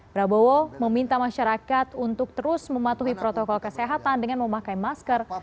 prabowo meminta masyarakat untuk terus mematuhi protokol kesehatan dengan memakai masker